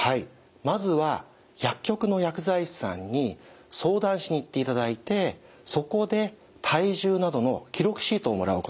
まずは薬局の薬剤師さんに相談しに行っていただいてそこで体重などの記録シートをもらうことになります。